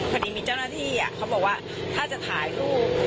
พอดีมีเจ้าหน้าที่เขาบอกว่าถ้าจะถ่ายรูป